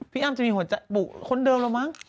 พี่อ้ำจะมีหัวใจบุคนเดิมแล้วมั้ง